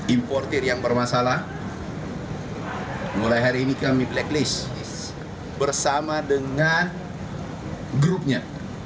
importer yang bermasalah mulai hari ini kami blacklist bersama dengan grupnya